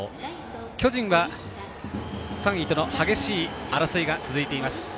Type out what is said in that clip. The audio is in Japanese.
巨人は３位との激しい争いが続いています。